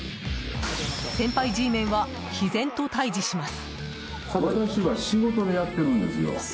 先輩Ｇメンは毅然と対峙します。